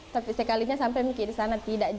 tapi setiap kalinya sampai di sana tidak